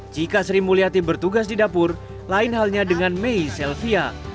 jika sri mulyati bertugas di dapur lain halnya dengan mei selvia